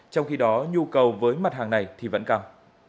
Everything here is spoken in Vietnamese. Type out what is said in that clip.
trong khi đó nhu cầu với mặt hàng này thì vẫn cao